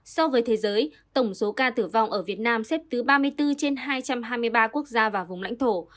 so với thế giới tổng số ca tử vong ở việt nam xếp thứ ba mươi bốn trên hai trăm hai mươi ba quốc gia và vùng lãnh thổ